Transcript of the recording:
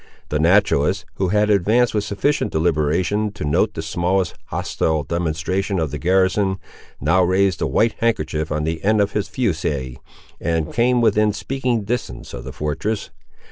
The naturalist, who had advanced with sufficient deliberation to note the smallest hostile demonstration of the garrison, now raised a white handkerchief on the end of his fusee, and came within speaking distance of the fortress.